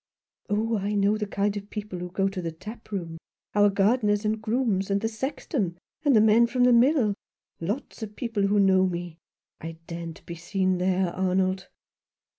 " Oh, I know the kind of people who go to the tap room. Our gardeners and grooms, and the sexton, and the men from the mill — lots of people who know me. I daren't be seen there, Arnold."